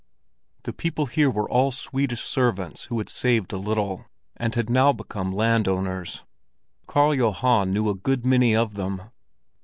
The people here were all Swedish servants who had saved a little—and had now become land owners. Karl Johan knew a good many of them.